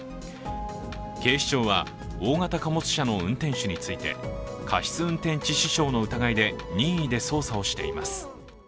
警視庁は、大型貨物車の運転手について過失運転致死傷の疑いで任意で捜査をしています。